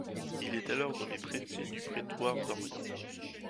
Il est alors nommé préfet du prétoire d'Orient.